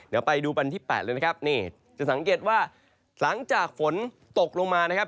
เดี๋ยวไปดูวันที่๘เลยนะครับนี่จะสังเกตว่าหลังจากฝนตกลงมานะครับ